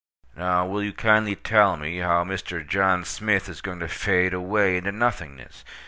Now, will you kindly tell me how Mr. John Smith is going to fade away into nothingness?